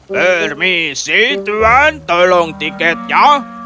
permisi tuan tolong tiketnya